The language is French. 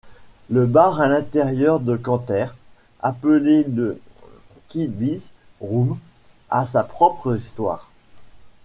Le bar à l'intérieur de Canter's, appelé le Kibitz Room, a sa propre histoire.